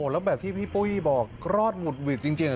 แล้วแบบที่พี่ปุ้ยบอกรอดหุดหวิดจริง